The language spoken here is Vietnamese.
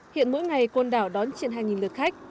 hiện mỗi ngày con đảo đón triện hàng nghìn lượt khách